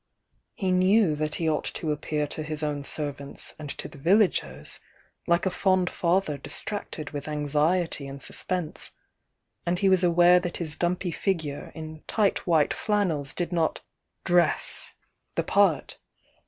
"e "cnew Kt he ought to appear to his own ^rvants and 5o the vmairs like a fond father distracted with Sriety aXsuspense, and he was aware ^.^Ji^ dumpy figure in tight white flannels did not dress the part.